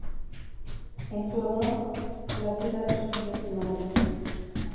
En su honor, la ciudad recibió su nombre.